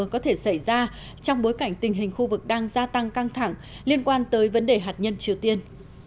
có thể xảy ra trong bối cảnh tình hình khu vực đang gia tăng căng thẳng liên quan tới vấn đề hạt nhân triều tiên